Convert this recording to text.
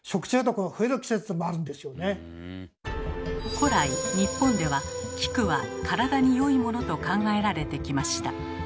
古来日本では菊は体によいものと考えられてきました。